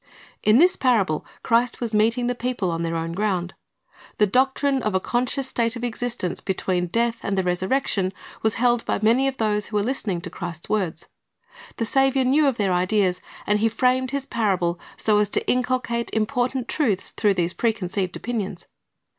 \\\ this parable Christ was meeting the people on their own ground. The doctrine of i conscious state of existence between death and the resi ection was held by many of those who were listening to Christ's words. The Saviour knew of their ideas, and He framed His parable so as to inculcate important truths through these preconceived opinions.